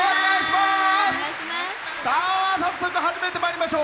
早速、始めてまいりましょう。